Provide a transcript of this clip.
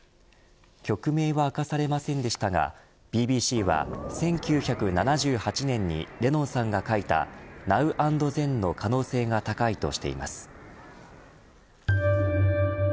曲名は明かされませんでしたがＢＢＣは１９７８年にレノンさんが書いたナウ・アンド・ゼンの可能性が高いとしています。